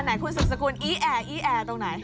อันไหนคุณสุดสกุลอีแอร์ตรงไหน